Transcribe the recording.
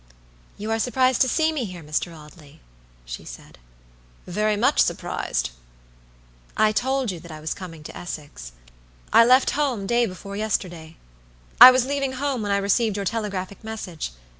"You are surprised to see me here, Mr. Audley," she said. "Very much surprised." "I told you that I was coming to Essex. I left home day before yesterday. I was leaving home when I received your telegraphic message.